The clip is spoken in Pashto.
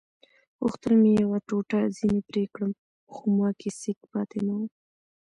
غوښتل مې یوه ټوټه ځینې پرې کړم خو ما کې سېک پاتې نه وو.